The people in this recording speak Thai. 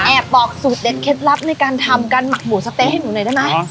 บอกสูตรเด็ดเคล็ดลับในการทำการหมักหมูสะเต๊ะให้หนูหน่อยได้ไหม